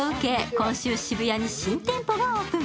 今週、渋谷に新店舗がオープン。